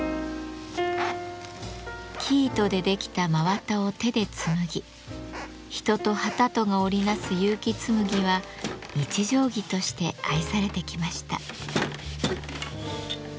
生糸で出来た真綿を手で紡ぎ人と機とが織り成す結城紬は日常着として愛されてきました。